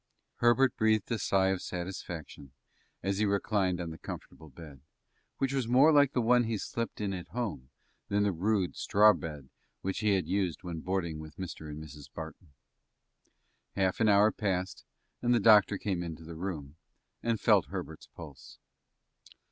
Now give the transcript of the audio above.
Herbert breathed a sigh of satisfaction, as he reclined on the comfortable bed, which was more like the one he slept in at home than the rude, straw bed which he had used when boarding with Mr. and Mrs. Barton. Half an hour passed, and the doctor came into the room, and felt Herbert's pulse.